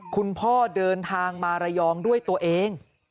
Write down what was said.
คุณพ่อเดินทางมาระยองด้วยตัวเอง